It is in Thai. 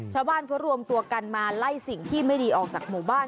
ชาวบ้านเขารวมตัวกันมาไล่สิ่งที่ไม่ดีออกจากหมู่บ้าน